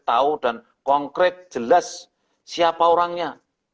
tahu dan konkret jelas siapa orangnya